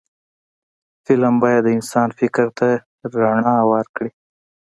فلم باید د انسان فکر ته رڼا ورکړي